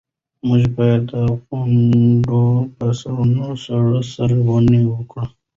موږ باید د غونډیو په سر ونې وکرو.